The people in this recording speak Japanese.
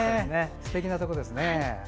すてきなところですね。